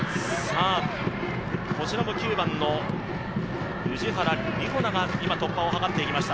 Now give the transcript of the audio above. こちらも９番の氏原里穂菜が今、突破を図ってきました。